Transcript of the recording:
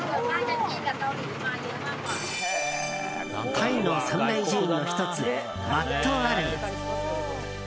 タイの三大寺院の１つワット・アルン。